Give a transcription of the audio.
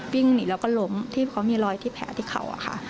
วิ่งหนีแล้วก็ล้มที่เขามีรอยที่แผลที่เขาอะค่ะ